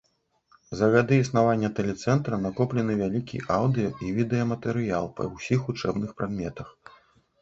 За гады існавання тэлецэнтра накоплены вялікі аўдыё і відэаматэрыял па ўсіх вучэбных прадметах.